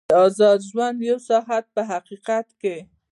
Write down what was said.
د ازاد ژوند یو ساعت په حقیقت کې.